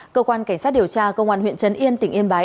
cơ quan cảnh sát điều tra công an huyện trấn yên tỉnh yên bái